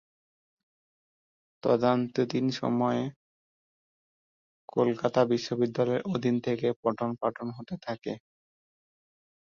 তদানীন্তন সময়ে কলকাতা বিশ্ববিদ্যালয়ের অধীন থেকে পঠন পাঠন হতে থাকে।